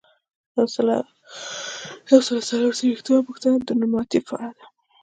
یو سل او څلور څلویښتمه پوښتنه د نورماتیف په اړه ده.